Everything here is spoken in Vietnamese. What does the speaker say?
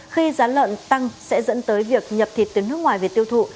khi giá lợn tăng sẽ dẫn tới việc nhập thịt từ nước ngoài về tiêu thụ